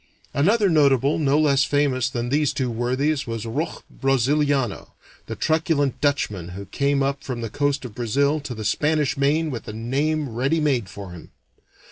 Another notable no less famous than these two worthies was Roch Braziliano, the truculent Dutchman who came up from the coast of Brazil to the Spanish Main with a name ready made for him.